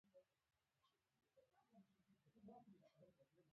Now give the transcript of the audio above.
د روحانیونو له قدرت استفاده وکړي.